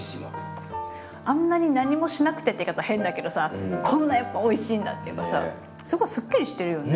あんなに何もしなくてっていう言い方変だけどさこんなやっぱおいしいんだっていうかさすごいすっきりしてるよね。